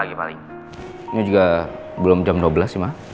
ini juga belum jam dua belas sih mas